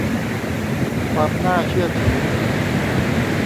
ความน่าเชื่อถือ